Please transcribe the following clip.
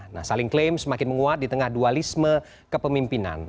nah saling klaim semakin menguat di tengah dualisme kepemimpinan